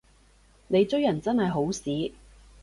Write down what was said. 你追人真係好屎